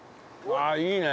ああいいね。